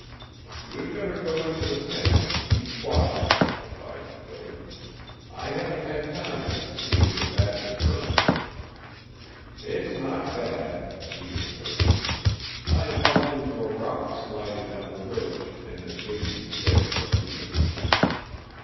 "You'd better go into the tent and keep quiet," advised Billy. "I haven't had time yet to see if you're badly hurt." "It's not bad," Deane assured him. "I bumped into a rock sliding down the ridge, and it made me sick for a few minutes."